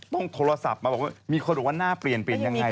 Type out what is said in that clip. ต้องโทรศัพท์มาบอกว่ามีคนบอกว่าหน้าเปลี่ยนเปลี่ยนยังไง